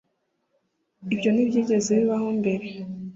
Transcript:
ibyo ntibyigeze bibaho mbere